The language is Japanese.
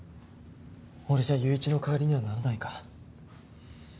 俺じゃ友一の代わりにはならないか。